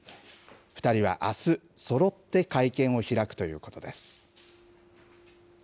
２人はあす、そろって会見を開くということです。